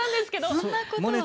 そんなことは。